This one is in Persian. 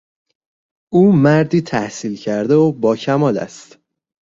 او مردی تحصیل کرده و با کمال است.